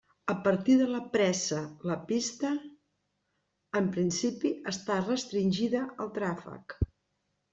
A partir de la pressa la pista, en principi, està restringida al tràfec.